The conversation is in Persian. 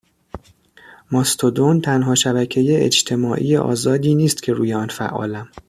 ماستودون تنها شبکه اجتمای آزادی نیست که روی آن فعالم